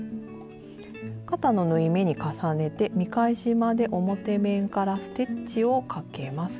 肩の縫い目に重ねて見返しまで表面からステッチをかけます。